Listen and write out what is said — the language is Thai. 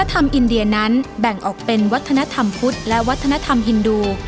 ธรรมอินเดียนั้นแบ่งออกเป็นวัฒนธรรมพุทธและวัฒนธรรมฮินดู